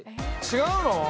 違うの？